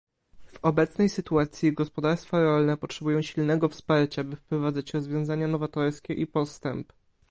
W obecnej sytuacji gospodarstwa rolne potrzebują silnego wsparcia, by wprowadzać rozwiązania nowatorskie i postęp